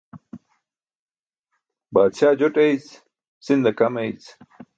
Baadsa joṭ eeyc, sinda kam eeyc.